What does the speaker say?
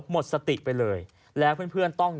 หมดสติไปเลยแล้วเพื่อนต้อง